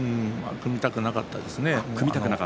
組みたくなかったですね。